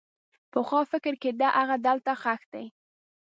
پخوا فکر کېده هغه دلته ښخ دی.